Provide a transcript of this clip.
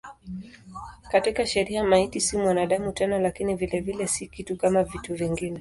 Katika sheria maiti si mwanadamu tena lakini vilevile si kitu kama vitu vingine.